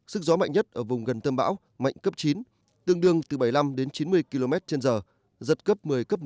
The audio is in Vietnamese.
sức gió mạnh nhất ở vùng gần tâm bão mạnh cấp chín tương đương từ bảy mươi năm đến chín mươi km trên giờ giật cấp một mươi cấp một mươi